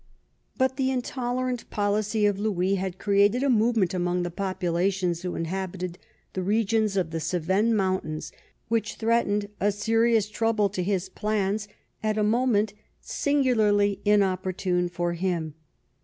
But the intolerant policy of Louis had created a movement among the populations who inhabited the regions of the Cevennes mountains which threatened a serious trouble to his plans at a moment singularly inopportune for him.